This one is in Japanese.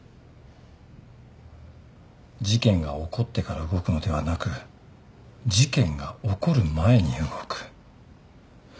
事件が起こってから動くのではなく事件が起こる前に動く。